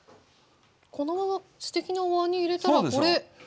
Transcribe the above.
このまますてきなおわんに入れたらこれもしかして。